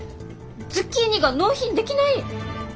ズッキーニが納品できない？